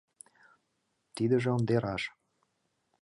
Тидыже ынде раш.